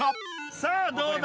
さあどうだ？